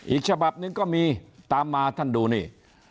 อีกฉบับหนึ่งก็มีตามมาท่านดูนี่